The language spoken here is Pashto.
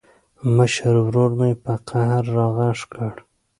مشر ورور مې په قهر راغږ کړ.